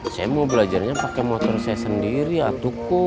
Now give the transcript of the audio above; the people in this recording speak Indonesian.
saya mau belajarnya pakai motor saya sendiri atauku